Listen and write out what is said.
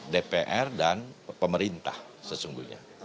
dpr dan pemerintah sesungguhnya